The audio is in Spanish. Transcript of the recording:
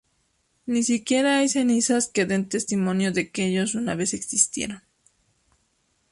Ni siquiera hay cenizas que den testimonio de que ellos una vez existieron.